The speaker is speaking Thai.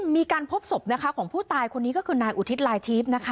มีการพบศพนะคะของผู้ตายคนนี้ก็คือนายอุทิศลายทิพย์นะคะ